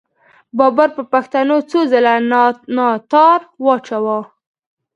بابر پر پښتنو څو څله ناتار واچاوو.